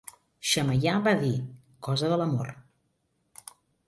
Xemaià va dir: cosa de l'amor.